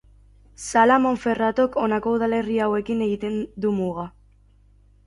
Sala Monferratok honako udalerri hauekin egiten du muga.